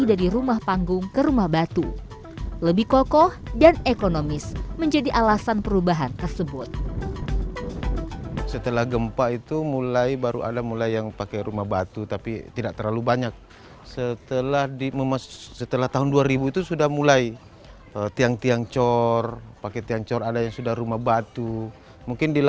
doi yang kaya bikin lebih berarti alkohol